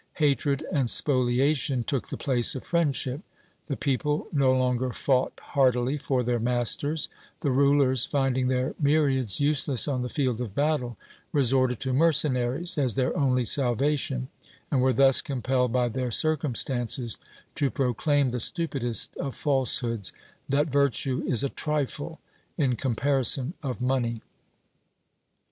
Hatred and spoliation took the place of friendship; the people no longer fought heartily for their masters; the rulers, finding their myriads useless on the field of battle, resorted to mercenaries as their only salvation, and were thus compelled by their circumstances to proclaim the stupidest of falsehoods that virtue is a trifle in comparison of money.